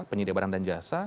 penyedia barang dan jasa